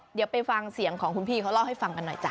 เดี๋ยวไปฟังเสียงของคุณพี่เขาเล่าให้ฟังกันหน่อยจ้